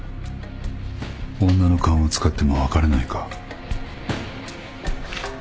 女の勘を使っても分からないか。